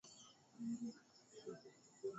iwapo ule mchezaji utamtambua kwamba ni muhimu